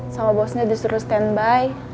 sama bosnya disuruh stand by